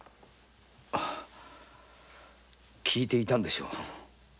聞いていたんでしょう